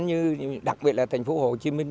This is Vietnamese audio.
như đặc biệt là thành phố hồ chí minh